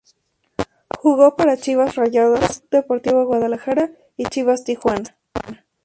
Jugó para Chivas Rayadas, Club Deportivo Guadalajara y Chivas Tijuana.